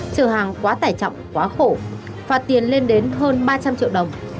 trở hàng quá tải trọng quá khổ phạt tiền lên đến hơn ba trăm linh triệu đồng